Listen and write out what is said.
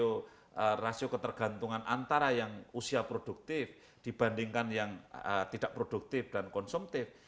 karena dependensi rasio ketergantungan antara yang usia produktif dibandingkan yang tidak produktif dan konsumtif